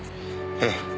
ええ。